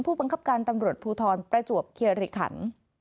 ผู้บังคับการตำรวจภูทรประจวบเคียริขัน